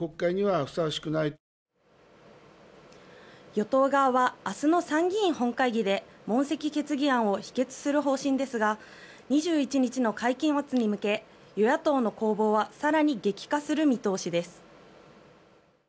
与党側は明日の参議院本会議で問責決議案を否決する方針ですが２１日の会期末に向け与野党の攻防は更に激化する見通しです。